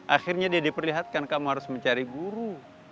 akhirnya dia diperlihatkan kamu harus mencari guru